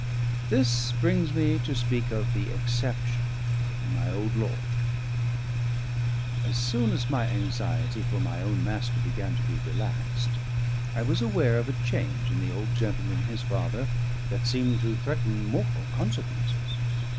This brings me to speak of the exception, my old lord. As soon as my anxiety for my own master began to be relaxed, I was aware of a change in the old gentleman, his father, that seemed to threaten mortal consequences.